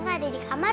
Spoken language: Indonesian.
kamu gak ada di kamar